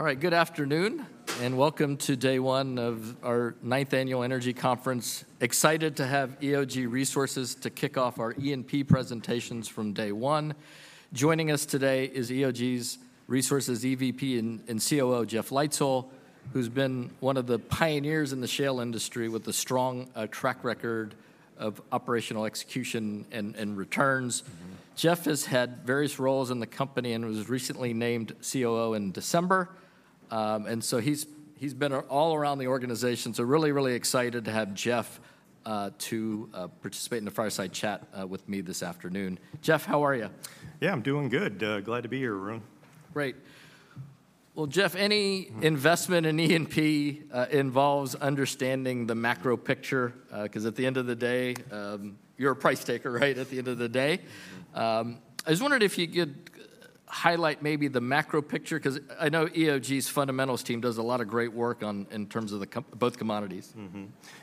All right, good afternoon and welcome to day one of our ninth annual Energy Conference. Excited to have EOG Resources to kick off our E&P presentations from day one. Joining us today is EOG Resources' EVP and COO, Jeff Leitzell, who's been one of the pioneers in the shale industry with a strong track record of operational execution and returns. Jeff has had various roles in the company and was recently named COO in December. So he's been all around the organization. Really, really excited to have Jeff to participate in the fireside chat with me this afternoon. Jeff, how are you? Yeah, I'm doing good. Glad to be here, Arun. Great. Well, Jeff, any investment in E&P involves understanding the macro picture because at the end of the day, you're a price taker, right? At the end of the day. I just wondered if you could highlight maybe the macro picture because I know EOG's fundamentals team does a lot of great work in terms of both commodities.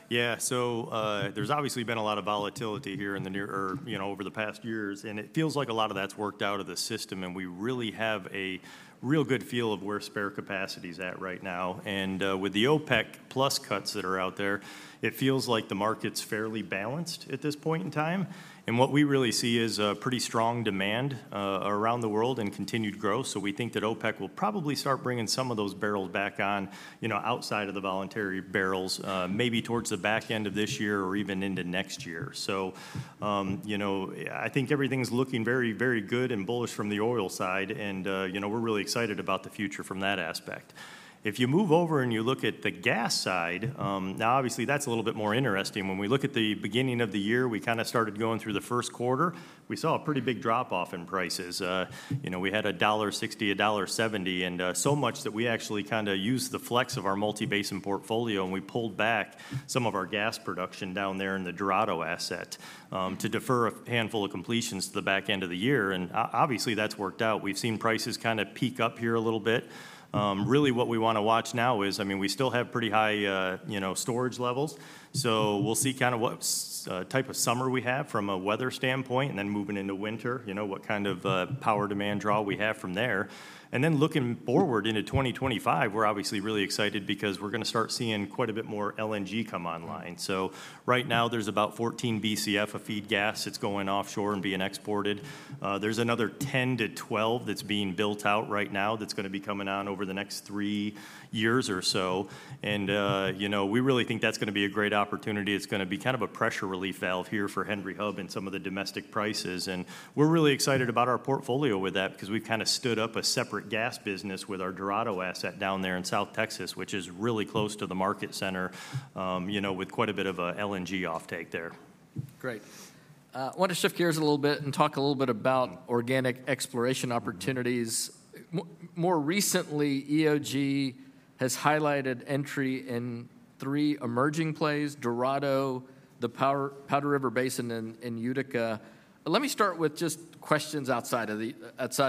Yeah, so there's obviously been a lot of volatility here in the near or over the past years, and it feels like a lot of that's worked out of the system. And we really have a real good feel of where spare capacity's at right now. And with the OPEC+ cuts that are out there, it feels like the market's fairly balanced at this point in time. And what we really see is pretty strong demand around the world and continued growth. So we think that OPEC will probably start bringing some of those barrels back on outside of the voluntary barrels, maybe towards the back end of this year or even into next year. So I think everything's looking very, very good and bullish from the oil side. And we're really excited about the future from that aspect. If you move over and you look at the gas side, now obviously that's a little bit more interesting. When we look at the beginning of the year, we kind of started going through the first quarter, we saw a pretty big drop off in prices. We had $1.60, $1.70, and so much that we actually kind of used the flex of our multi-basin portfolio and we pulled back some of our gas production down there in the Dorado asset to defer a handful of completions to the back end of the year. Obviously that's worked out. We've seen prices kind of peak up here a little bit. Really what we want to watch now is, I mean, we still have pretty high storage levels. So we'll see kind of what type of summer we have from a weather standpoint and then moving into winter, what kind of power demand draw we have from there. And then looking forward into 2025, we're obviously really excited because we're going to start seeing quite a bit more LNG come online. So right now there's about 14 BCF of feed gas that's going offshore and being exported. There's another 10-12 that's being built out right now that's going to be coming on over the next three years or so. And we really think that's going to be a great opportunity. It's going to be kind of a pressure relief valve here for Henry Hub and some of the domestic prices. We're really excited about our portfolio with that because we've kind of stood up a separate gas business with our Dorado asset down there in South Texas, which is really close to the market center with quite a bit of an LNG offtake there. Great. I want to shift gears a little bit and talk a little bit about organic exploration opportunities. More recently, EOG has highlighted entry in three emerging plays, Dorado, the Powder River Basin in Utica. Let me start with just questions outside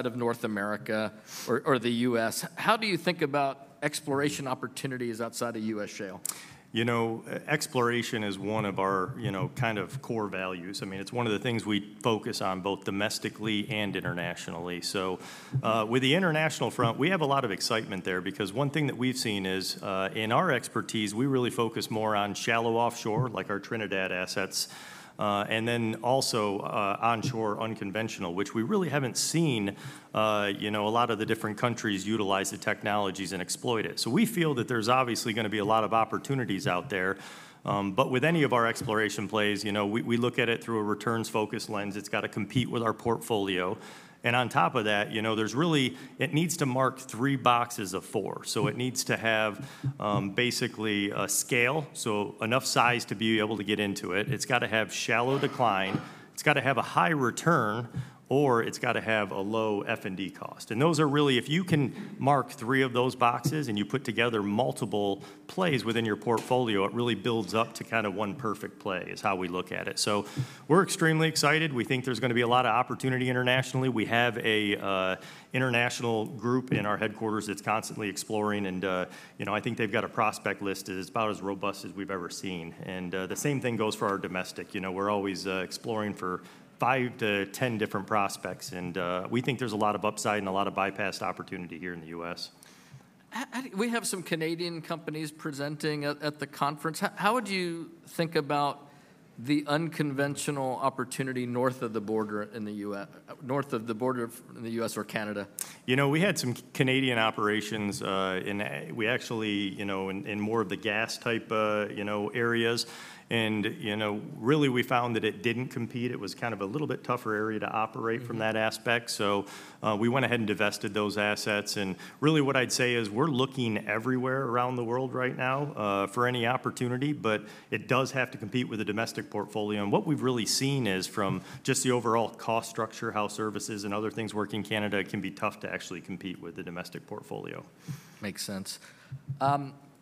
of North America or the U.S. How do you think about exploration opportunities outside of US shale? You know, exploration is one of our kind of core values. I mean, it's one of the things we focus on both domestically and internationally. So with the international front, we have a lot of excitement there because one thing that we've seen is in our expertise, we really focus more on shallow offshore like our Trinidad assets and then also onshore unconventional, which we really haven't seen a lot of the different countries utilize the technologies and exploit it. So we feel that there's obviously going to be a lot of opportunities out there. But with any of our exploration plays, we look at it through a returns focus lens. It's got to compete with our portfolio. And on top of that, there's really it needs to mark three boxes of four. So it needs to have basically a scale, so enough size to be able to get into it. It's got to have shallow decline. It's got to have a high return or it's got to have a low F&D cost. And those are really, if you can mark three of those boxes and you put together multiple plays within your portfolio, it really builds up to kind of one perfect play is how we look at it. So we're extremely excited. We think there's going to be a lot of opportunity internationally. We have an international group in our headquarters that's constantly exploring. And I think they've got a prospect list that is about as robust as we've ever seen. And the same thing goes for our domestic. We're always exploring for five to 10 different prospects. We think there's a lot of upside and a lot of bypassed opportunity here in the U.S. We have some Canadian companies presenting at the conference. How would you think about the unconventional opportunity north of the border in the U.S. or Canada? You know, we had some Canadian operations in actually in more of the gas type areas. And really we found that it didn't compete. It was kind of a little bit tougher area to operate from that aspect. So we went ahead and divested those assets. And really what I'd say is we're looking everywhere around the world right now for any opportunity, but it does have to compete with the domestic portfolio. And what we've really seen is from just the overall cost structure, how services and other things work in Canada can be tough to actually compete with the domestic portfolio. Makes sense.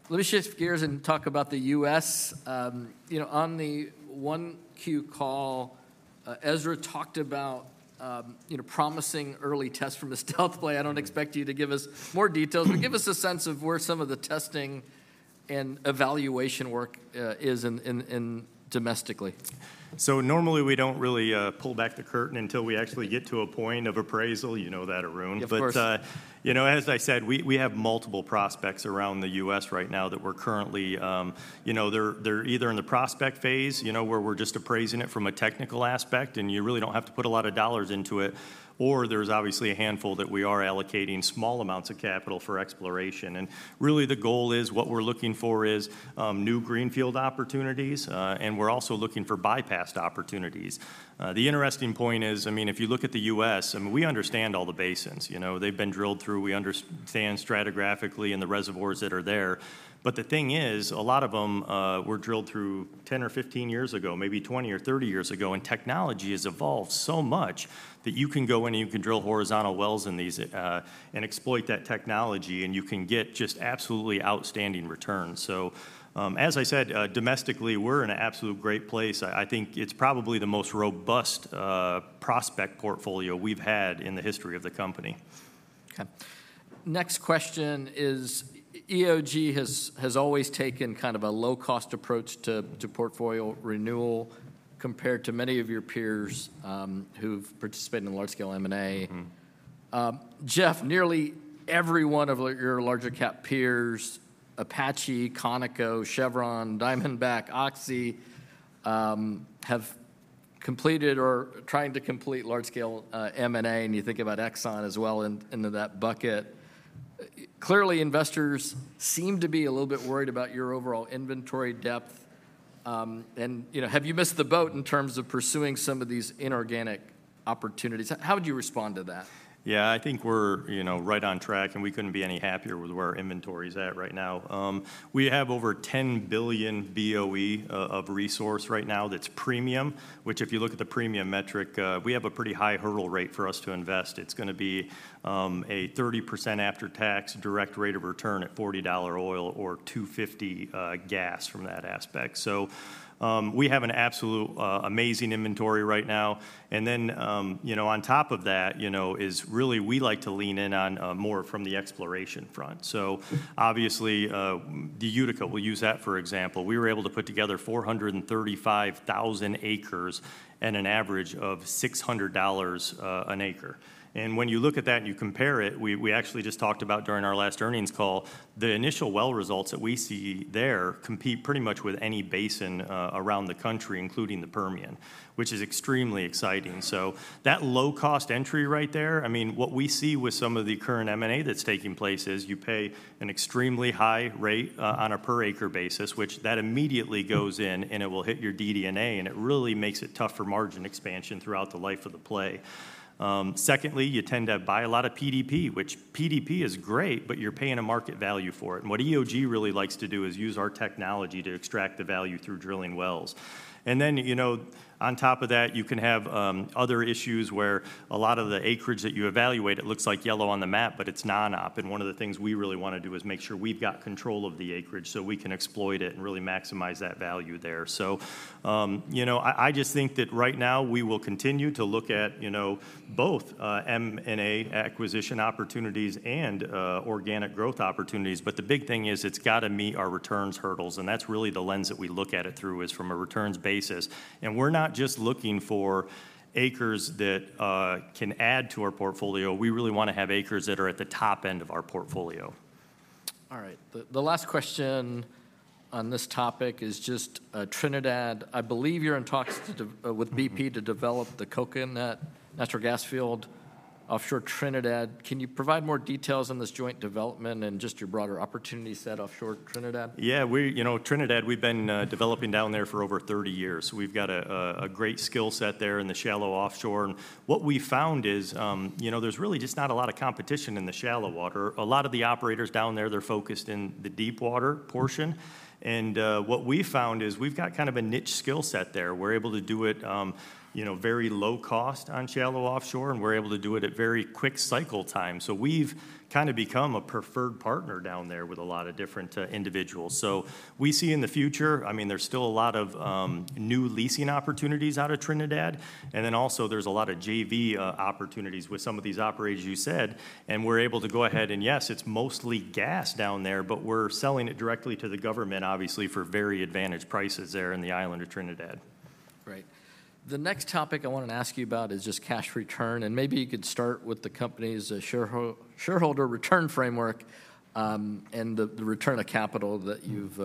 Let me shift gears and talk about the U.S. On the first Q call, Ezra talked about promising early tests from the stealth play. I don't expect you to give us more details, but give us a sense of where some of the testing and evaluation work is domestically. So normally we don't really pull back the curtain until we actually get to a point of appraisal. You know that, Arun. Yes, of course. As I said, we have multiple prospects around the U.S. right now that we're currently, they're either in the prospect phase where we're just appraising it from a technical aspect and you really don't have to put a lot of dollars into it, or there's obviously a handful that we are allocating small amounts of capital for exploration. And really the goal is what we're looking for is new greenfield opportunities. And we're also looking for bypassed opportunities. The interesting point is, I mean, if you look at the U.S., I mean, we understand all the basins. They've been drilled through. We understand stratigraphically and the reservoirs that are there. But the thing is, a lot of them were drilled through 10 or 15 years ago, maybe 20 or 30 years ago. Technology has evolved so much that you can go in and you can drill horizontal wells in these and exploit that technology. You can get just absolutely outstanding returns. So as I said, domestically, we're in an absolute great place. I think it's probably the most robust prospect portfolio we've had in the history of the company. Okay. Next question is EOG has always taken kind of a low-cost approach to portfolio renewal compared to many of your peers who've participated in large-scale M&A. Jeff, nearly every one of your larger cap peers, Apache, Conoco, Chevron, Diamondback, Oxy have completed or are trying to complete large-scale M&A. And you think about Exxon as well into that bucket. Clearly, investors seem to be a little bit worried about your overall inventory depth. And have you missed the boat in terms of pursuing some of these inorganic opportunities? How would you respond to that? Yeah, I think we're right on track. We couldn't be any happier with where our inventory is at right now. We have over 10 billion BOE of resource right now that's premium, which if you look at the premium metric, we have a pretty high hurdle rate for us to invest. It's going to be a 30% after-tax direct rate of return at $40 oil or $2.50 gas from that aspect. So we have an absolute amazing inventory right now. Then on top of that is really we like to lean in on more from the exploration front. So obviously the Utica, we'll use that for example. We were able to put together 435,000 acres at an average of $600 an acre. And when you look at that and you compare it, we actually just talked about during our last earnings call, the initial well results that we see there compete pretty much with any basin around the country, including the Permian, which is extremely exciting. So that low-cost entry right there, I mean, what we see with some of the current M&A that's taking place is you pay an extremely high rate on a per-acre basis, which that immediately goes in and it will hit your DD&A. And it really makes it tough for margin expansion throughout the life of the play. Secondly, you tend to buy a lot of PDP, which PDP is great, but you're paying a market value for it. And what EOG really likes to do is use our technology to extract the value through drilling wells. And then on top of that, you can have other issues where a lot of the acreage that you evaluate, it looks like yellow on the map, but it's non-op. And one of the things we really want to do is make sure we've got control of the acreage so we can exploit it and really maximize that value there. So I just think that right now we will continue to look at both M&A acquisition opportunities and organic growth opportunities. But the big thing is it's got to meet our returns hurdles. And that's really the lens that we look at it through is from a returns basis. And we're not just looking for acres that can add to our portfolio. We really want to have acres that are at the top end of our portfolio. All right. The last question on this topic is just Trinidad. I believe you're in talks with BP to develop the Coconut Natural Gas Field offshore Trinidad. Can you provide more details on this joint development and just your broader opportunity set offshore Trinidad? Yeah, Trinidad, we've been developing down there for over 30 years. We've got a great skill set there in the shallow offshore. And what we found is there's really just not a lot of competition in the shallow water. A lot of the operators down there, they're focused in the deep water portion. And what we found is we've got kind of a niche skill set there. We're able to do it very low cost on shallow offshore. And we're able to do it at very quick cycle time. So we've kind of become a preferred partner down there with a lot of different individuals. So we see in the future, I mean, there's still a lot of new leasing opportunities out of Trinidad. And then also there's a lot of JV opportunities with some of these operators you said. We're able to go ahead and, yes, it's mostly gas down there, but we're selling it directly to the government, obviously for very advantaged prices there in the island of Trinidad. Great. The next topic I want to ask you about is just cash return. Maybe you could start with the company's shareholder return framework and the return of capital that you've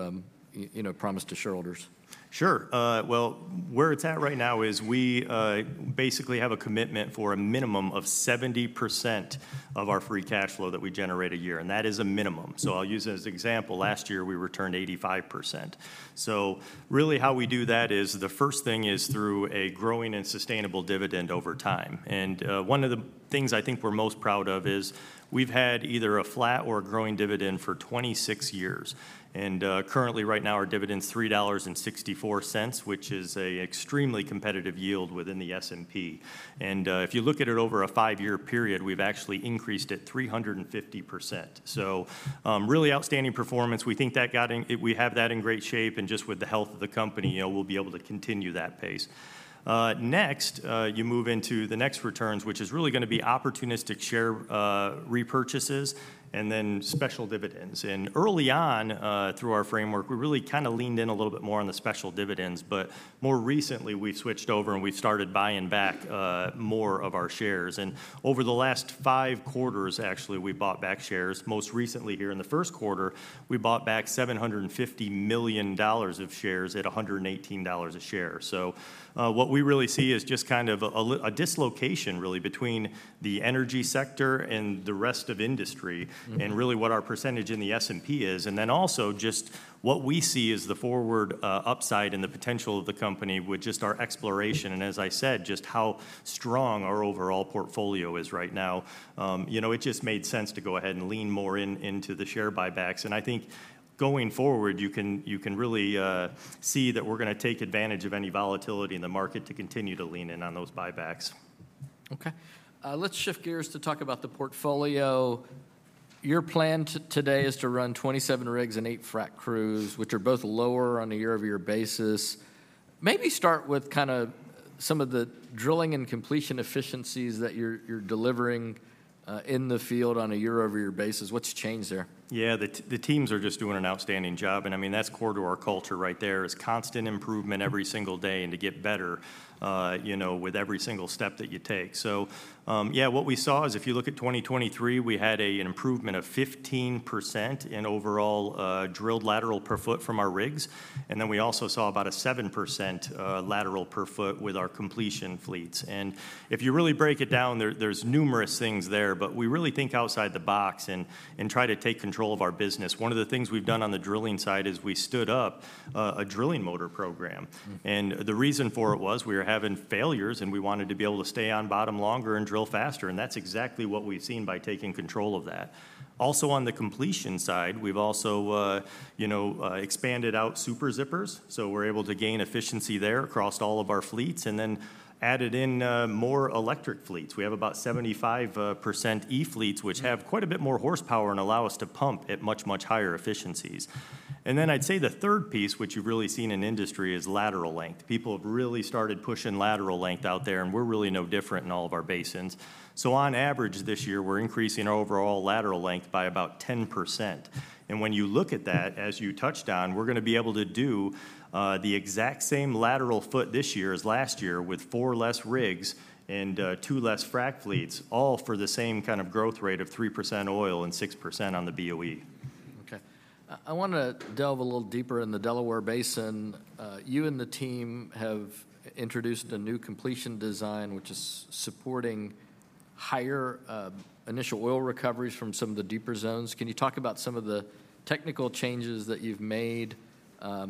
promised to shareholders. Sure. Well, where it's at right now is we basically have a commitment for a minimum of 70% of our free cash flow that we generate a year. And that is a minimum. So I'll use it as an example. Last year we returned 85%. So really how we do that is the first thing is through a growing and sustainable dividend over time. And one of the things I think we're most proud of is we've had either a flat or a growing dividend for 26 years. And currently right now our dividend is $3.64, which is an extremely competitive yield within the S&P. And if you look at it over a five-year period, we've actually increased it 350%. So really outstanding performance. We think that we have that in great shape. And just with the health of the company, we'll be able to continue that pace. Next, you move into the next returns, which is really going to be opportunistic share repurchases and then special dividends. Early on through our framework, we really kind of leaned in a little bit more on the special dividends. But more recently we've switched over and we've started buying back more of our shares. Over the last five quarters, actually, we bought back shares. Most recently here in the first quarter, we bought back $750 million of shares at $118 a share. So what we really see is just kind of a dislocation really between the energy sector and the rest of industry and really what our percentage in the S&P is. Then also just what we see is the forward upside and the potential of the company with just our exploration. As I said, just how strong our overall portfolio is right now, it just made sense to go ahead and lean more into the share buybacks. I think going forward, you can really see that we're going to take advantage of any volatility in the market to continue to lean in on those buybacks. Okay. Let's shift gears to talk about the portfolio. Your plan today is to run 27 rigs and eight frac crews, which are both lower on a year-over-year basis. Maybe start with kind of some of the drilling and completion efficiencies that you're delivering in the field on a year-over-year basis. What's changed there? Yeah, the teams are just doing an outstanding job. And I mean, that's core to our culture right there, is constant improvement every single day and to get better with every single step that you take. So yeah, what we saw is if you look at 2023, we had an improvement of 15% in overall drilled lateral per foot from our rigs. And then we also saw about a 7% lateral per foot with our completion fleets. And if you really break it down, there's numerous things there. But we really think outside the box and try to take control of our business. One of the things we've done on the drilling side is we stood up a drilling motor program. And the reason for it was we were having failures and we wanted to be able to stay on bottom longer and drill faster. That's exactly what we've seen by taking control of that. Also on the completion side, we've also expanded out Super Zippers. So we're able to gain efficiency there across all of our fleets and then added in more electric fleets. We have about 75% E-fleets, which have quite a bit more horsepower and allow us to pump at much, much higher efficiencies. And then I'd say the third piece, which you've really seen in industry, is lateral length. People have really started pushing lateral length out there. And we're really no different in all of our basins. So on average this year, we're increasing our overall lateral length by about 10%. When you look at that, as you touched on, we're going to be able to do the exact same lateral foot this year as last year with four less rigs and two less frac fleets, all for the same kind of growth rate of 3% oil and 6% on the BOE. Okay. I want to delve a little deeper in the Delaware Basin. You and the team have introduced a new completion design, which is supporting higher initial oil recoveries from some of the deeper zones. Can you talk about some of the technical changes that you've made? I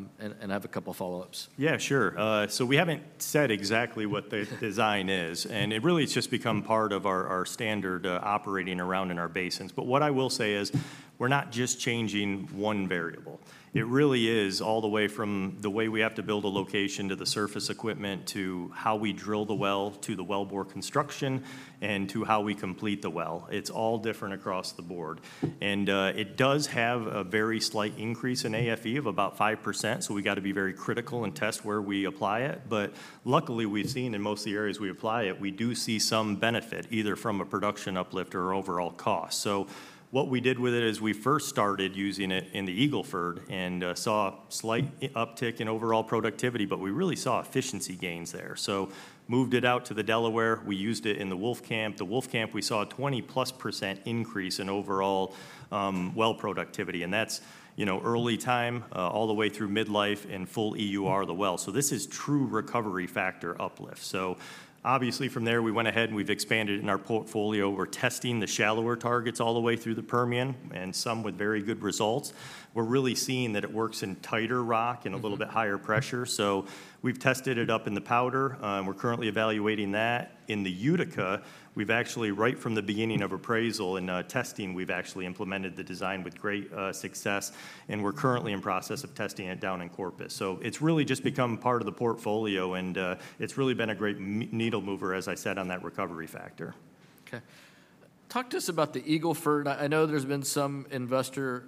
have a couple of follow-ups. Yeah, sure. So we haven't said exactly what the design is. And it really has just become part of our standard operating around in our basins. But what I will say is we're not just changing one variable. It really is all the way from the way we have to build a location to the surface equipment to how we drill the well to the well bore construction and to how we complete the well. It's all different across the board. And it does have a very slight increase in AFE of about 5%. So we've got to be very critical and test where we apply it. But luckily we've seen in most of the areas we apply it, we do see some benefit either from a production uplift or overall cost. So what we did with it is we first started using it in the Eagle Ford and saw a slight uptick in overall productivity. But we really saw efficiency gains there. So moved it out to the Delaware. We used it in the Wolfcamp. The Wolfcamp, we saw a 20+% increase in overall well productivity. And that's early time all the way through midlife and full EUR of the well. So this is true recovery factor uplift. So obviously from there, we went ahead and we've expanded in our portfolio. We're testing the shallower targets all the way through the Permian and some with very good results. We're really seeing that it works in tighter rock and a little bit higher pressure. So we've tested it up in the Powder River. We're currently evaluating that. In the Utica, we've actually right from the beginning of appraisal and testing, we've actually implemented the design with great success. We're currently in process of testing it down in Corpus. It's really just become part of the portfolio. It's really been a great needle mover, as I said, on that recovery factor. Okay. Talk to us about the Eagle Ford. I know there's been some investor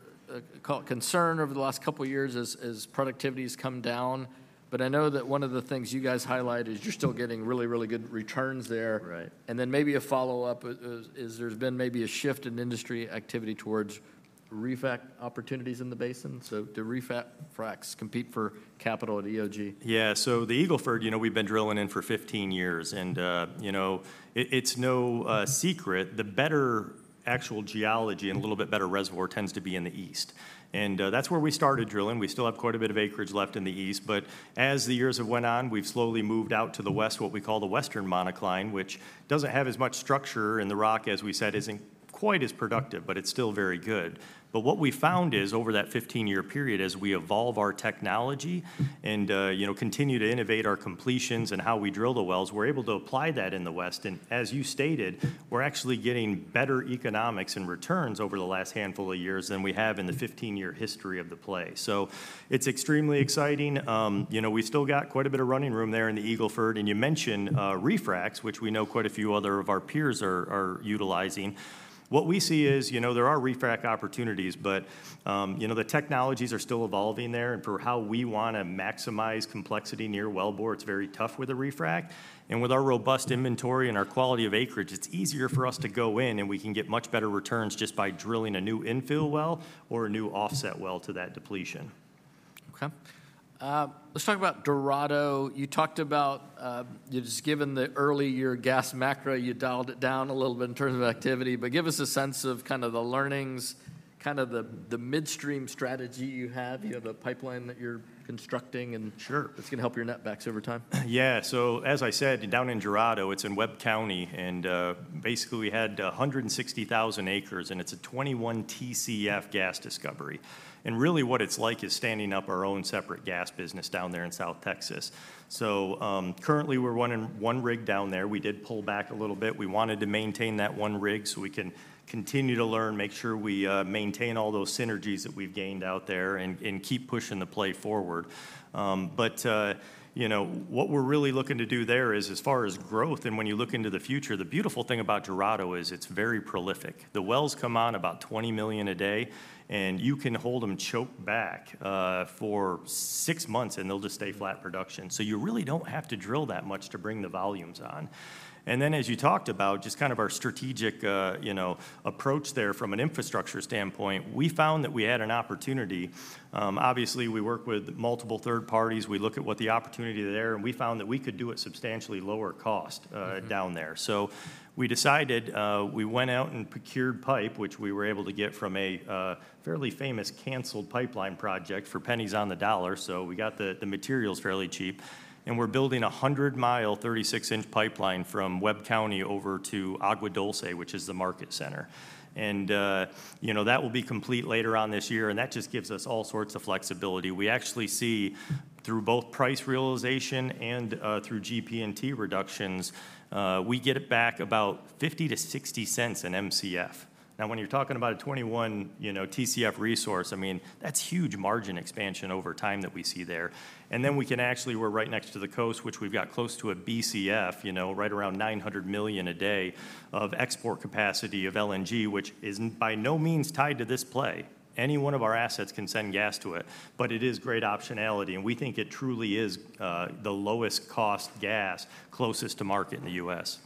concern over the last couple of years as productivity has come down. But I know that one of the things you guys highlight is you're still getting really, really good returns there. And then maybe a follow-up is there's been maybe a shift in industry activity towards re-frac opportunities in the basin. So do re-frac fracs compete for capital at EOG? Yeah. So the Eagle Ford, we've been drilling in for 15 years. It's no secret. The better actual geology and a little bit better reservoir tends to be in the east. And that's where we started drilling. We still have quite a bit of acreage left in the east. But as the years have went on, we've slowly moved out to the west, what we call the Western Monocline, which doesn't have as much structure in the rock as we said isn't quite as productive, but it's still very good. But what we found is over that 15-year period, as we evolve our technology and continue to innovate our completions and how we drill the wells, we're able to apply that in the west. As you stated, we're actually getting better economics and returns over the last handful of years than we have in the 15-year history of the play. So it's extremely exciting. We've still got quite a bit of running room there in the Eagle Ford. And you mentioned re-fracs, which we know quite a few other of our peers are utilizing. What we see is there are re-frac opportunities, but the technologies are still evolving there. And for how we want to maximize complexity near well bore, it's very tough with a re-frac. And with our robust inventory and our quality of acreage, it's easier for us to go in. And we can get much better returns just by drilling a new infill well or a new offset well to that depletion. Okay. Let's talk about Dorado. You talked about just given the early year gas macro, you dialed it down a little bit in terms of activity. But give us a sense of kind of the learnings, kind of the midstream strategy you have. You have a pipeline that you're constructing and it's going to help your netbacks over time. Yeah. So as I said, down in Dorado, it's in Webb County. And basically we had 160,000 acres. And it's a 21 TCF gas discovery. And really what it's like is standing up our own separate gas business down there in South Texas. So currently we're running one rig down there. We did pull back a little bit. We wanted to maintain that one rig so we can continue to learn, make sure we maintain all those synergies that we've gained out there and keep pushing the play forward. But what we're really looking to do there is as far as growth. And when you look into the future, the beautiful thing about Dorado is it's very prolific. The wells come on about 20 million a day. And you can hold them choked back for six months and they'll just stay flat production. So you really don't have to drill that much to bring the volumes on. And then as you talked about just kind of our strategic approach there from an infrastructure standpoint, we found that we had an opportunity. Obviously we work with multiple third parties. We look at what the opportunity there. And we found that we could do it substantially lower cost down there. So we decided we went out and procured pipe, which we were able to get from a fairly famous canceled pipeline project for pennies on the dollar. So we got the materials fairly cheap. And we're building a 100-mile 36-inch pipeline from Webb County over to Agua Dulce, which is the market center. And that will be complete later on this year. And that just gives us all sorts of flexibility. We actually see through both price realization and through GP&T reductions, we get it back about $0.50-$0.60/MCF. Now when you're talking about a 21 TCF resource, I mean, that's huge margin expansion over time that we see there. And then we can actually, we're right next to the coast, which we've got close to a BCF, right around 900 million a day of export capacity of LNG, which is by no means tied to this play. Any one of our assets can send gas to it. But it is great optionality. And we think it truly is the lowest cost gas closest to market in the U.S.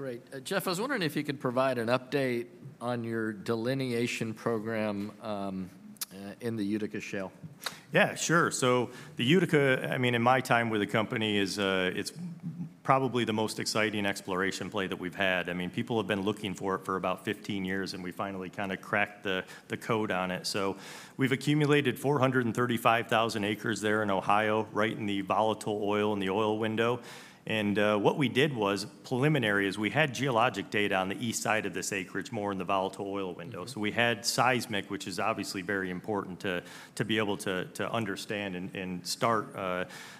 Great. Jeff, I was wondering if you could provide an update on your delineation program in the Utica Shale? Yeah, sure. So the Utica, I mean, in my time with the company, it's probably the most exciting exploration play that we've had. I mean, people have been looking for it for about 15 years. And we finally kind of cracked the code on it. So we've accumulated 435,000 acres there in Ohio, right in the volatile oil and the oil window. And what we did was preliminary is we had geologic data on the east side of this acreage, more in the volatile oil window. So we had seismic, which is obviously very important to be able to understand and start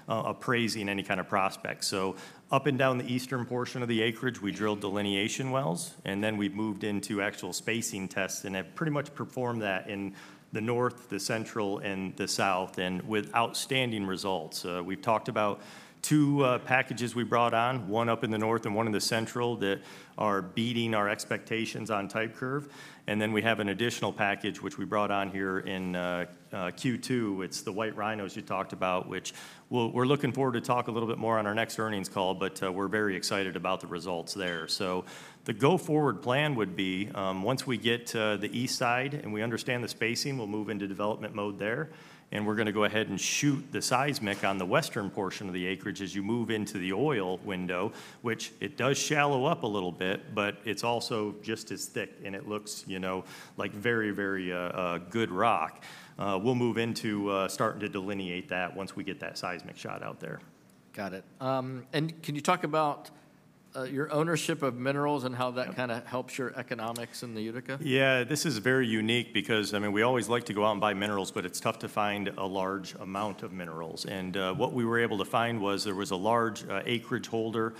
appraising any kind of prospects. So up and down the eastern portion of the acreage, we drilled delineation wells. And then we've moved into actual spacing tests. And have pretty much performed that in the north, the central, and the south, and with outstanding results. We've talked about two packages we brought on, one up in the north and one in the central, that are beating our expectations on type curve. Then we have an additional package, which we brought on here in Q2. It's the White Rhino you talked about, which we're looking forward to talk a little bit more on our next earnings call. But we're very excited about the results there. The go-forward plan would be once we get to the east side and we understand the spacing, we'll move into development mode there. And we're going to go ahead and shoot the seismic on the western portion of the acreage as you move into the oil window, which it does shallow up a little bit, but it's also just as thick. And it looks like very, very good rock. We'll move into starting to delineate that once we get that seismic shot out there. Got it. Can you talk about your ownership of minerals and how that kind of helps your economics in the Utica? Yeah, this is very unique because, I mean, we always like to go out and buy minerals, but it's tough to find a large amount of minerals. What we were able to find was there was a large acreage holder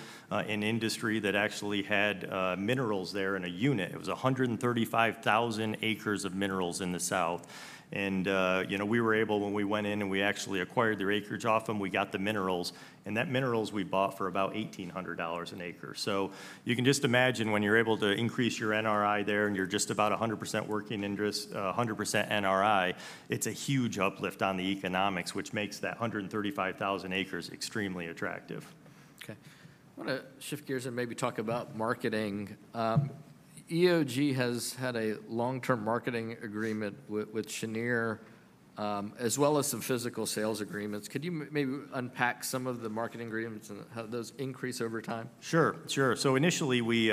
in industry that actually had minerals there in a unit. It was 135,000 acres of minerals in the south. We were able, when we went in and we actually acquired their acreage off them, we got the minerals. That minerals we bought for about $1,800 an acre. So you can just imagine when you're able to increase your NRI there and you're just about 100% working interest, 100% NRI, it's a huge uplift on the economics, which makes that 135,000 acres extremely attractive. Okay. I want to shift gears and maybe talk about marketing. EOG has had a long-term marketing agreement with Cheniere, as well as some physical sales agreements. Could you maybe unpack some of the marketing agreements and how those increase over time? Sure, sure. So initially we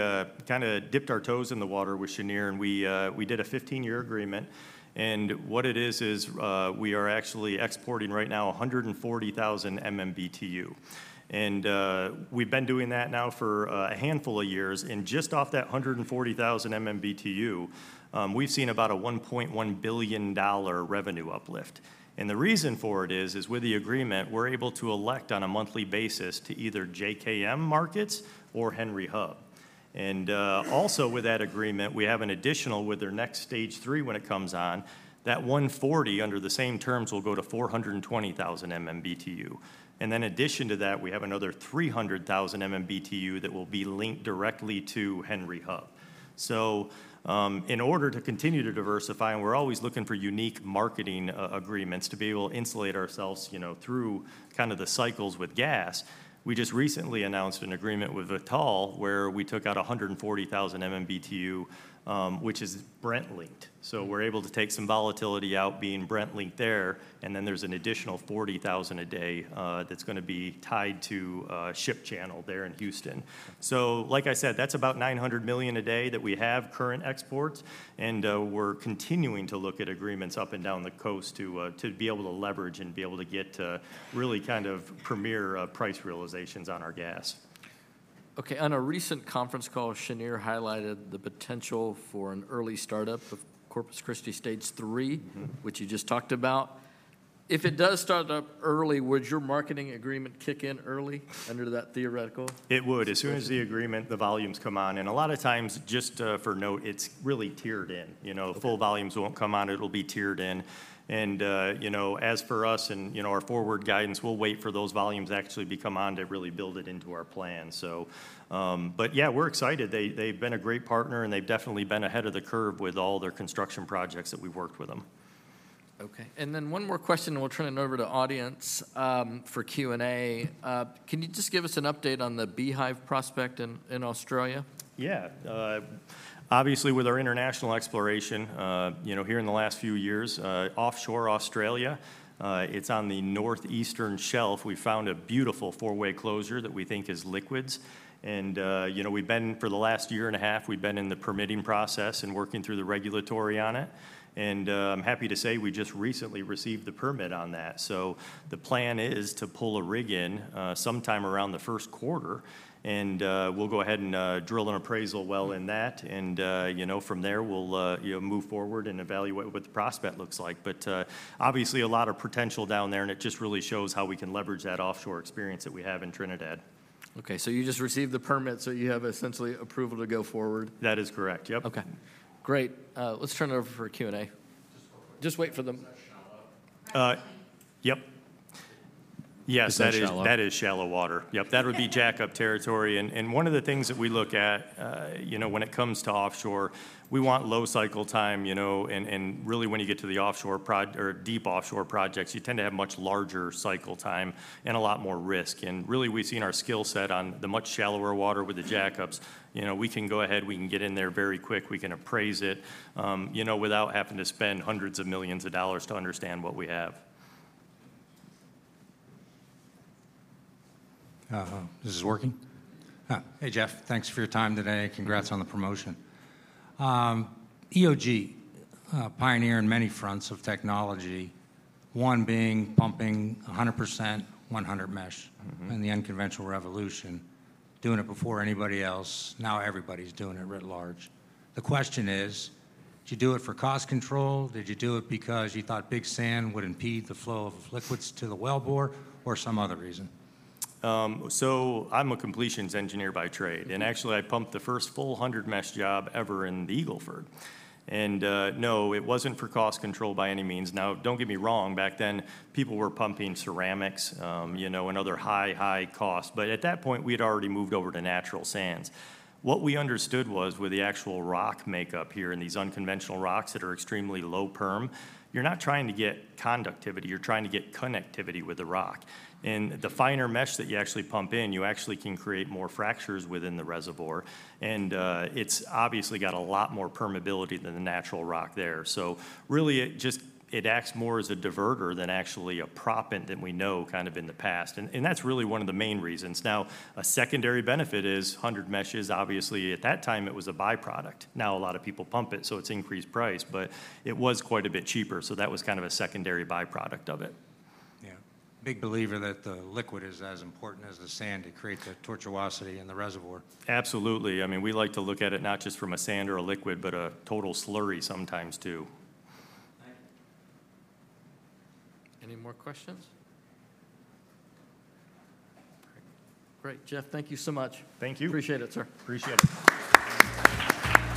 kind of dipped our toes in the water with Cheniere. And we did a 15-year agreement. And what it is is we are actually exporting right now 140,000 MMBTU. And we've been doing that now for a handful of years. And just off that 140,000 MMBTU, we've seen about a $1.1 billion revenue uplift. And the reason for it is, with the agreement, we're able to elect on a monthly basis to either JKM markets or Henry Hub. And also with that agreement, we have an additional, with their next stage three when it comes on, that 140 under the same terms will go to 420,000 MMBTU. And then in addition to that, we have another 300,000 MMBTU that will be linked directly to Henry Hub. So in order to continue to diversify, and we're always looking for unique marketing agreements to be able to insulate ourselves through kind of the cycles with gas, we just recently announced an agreement with Vitol where we took out 140,000 MMBTU, which is Brent-linked. So we're able to take some volatility out being Brent-linked there. And then there's an additional 40,000 a day that's going to be tied to Ship Channel there in Houston. So like I said, that's about 900 million a day that we have current exports. And we're continuing to look at agreements up and down the coast to be able to leverage and be able to get really kind of premier price realizations on our gas. Okay. On a recent conference call, Cheniere highlighted the potential for an early startup of Corpus Christi Stage 3, which you just talked about. If it does start up early, would your marketing agreement kick in early under that theoretical? It would. As soon as the agreement, the volumes come on. And a lot of times, just for note, it's really tiered in. Full volumes won't come on. It'll be tiered in. And as for us and our forward guidance, we'll wait for those volumes actually to come on to really build it into our plan. But yeah, we're excited. They've been a great partner. And they've definitely been ahead of the curve with all their construction projects that we've worked with them. Okay. And then one more question. And we'll turn it over to audience for Q&A. Can you just give us an update on the Beehive Prospect in Australia? Yeah. Obviously with our international exploration here in the last few years, offshore Australia, it's on the Northeastern Shelf. We found a beautiful four-way closure that we think is liquids. And we've been for the last year and a half, we've been in the permitting process and working through the regulatory on it. And I'm happy to say we just recently received the permit on that. So the plan is to pull a rig in sometime around the first quarter. And we'll go ahead and drill an appraisal well in that. And from there, we'll move forward and evaluate what the prospect looks like. But obviously a lot of potential down there. And it just really shows how we can leverage that offshore experience that we have in Trinidad. Okay. So you just received the permit. So you have essentially approval to go forward? That is correct. Yep. Okay. Great. Let's turn it over for Q&A. Just wait for the. Yep. Yes, that is shallow water. Yep. That would be jackup territory. And one of the things that we look at when it comes to offshore, we want low cycle time. And really, when you get to the offshore or deep offshore projects, you tend to have much larger cycle time and a lot more risk. And really, we've seen our skill set on the much shallower water with the jackups. We can go ahead. We can get in there very quick. We can appraise it without having to spend hundreds of millions of dollars to understand what we have. This is working. Hey, Jeff. Thanks for your time today. Congrats on the promotion. EOG, pioneer in many fronts of technology, one being pumping 100% 100 mesh in the unconventional revolution, doing it before anybody else. Now everybody's doing it writ large. The question is, did you do it for cost control? Did you do it because you thought big sand would impede the flow of liquids to the well bore or some other reason? So I'm a completions engineer by trade. And actually I pumped the first full 100 mesh job ever in the Eagle Ford. And no, it wasn't for cost control by any means. Now don't get me wrong. Back then people were pumping ceramics and other high, high cost. But at that point, we had already moved over to natural sands. What we understood was with the actual rock makeup here in these unconventional rocks that are extremely low perm, you're not trying to get conductivity. You're trying to get connectivity with the rock. And the finer mesh that you actually pump in, you actually can create more fractures within the reservoir. And it's obviously got a lot more permeability than the natural rock there. So really it acts more as a diverter than actually a proppant that we know kind of in the past. That's really one of the main reasons. Now a secondary benefit is 100 mesh is obviously at that time it was a byproduct. Now a lot of people pump it. So it's increased price. But it was quite a bit cheaper. That was kind of a secondary byproduct of it. Yeah. Big believer that the liquid is as important as the sand to create the tortuosity in the reservoir. Absolutely. I mean, we like to look at it not just from a sand or a liquid, but a total slurry sometimes too. Any more questions? Great. Jeff, thank you so much. Thank you. Appreciate it, sir. Appreciate it.